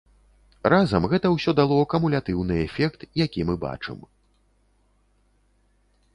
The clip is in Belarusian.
Разам гэта ўсё дало кумулятыўны эфект, які мы бачым.